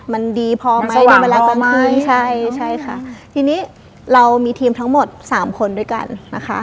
มันดีพอไหมในเวลาประมาณใช่ใช่ค่ะทีนี้เรามีทีมทั้งหมดสามคนด้วยกันนะคะ